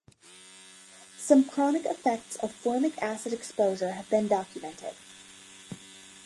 Some chronic effects of formic acid exposure have been documented.